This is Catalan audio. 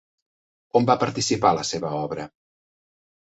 On va participar la seva obra?